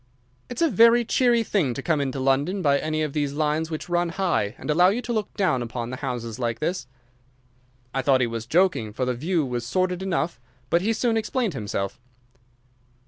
"It's a very cheery thing to come into London by any of these lines which run high, and allow you to look down upon the houses like this." I thought he was joking, for the view was sordid enough, but he soon explained himself.